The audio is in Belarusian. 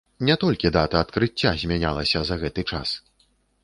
Не толькі дата адкрыцця змянялася за гэты час.